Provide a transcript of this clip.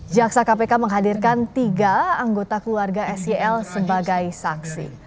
jaksa kpk menghadirkan tiga anggota keluarga sel sebagai saksi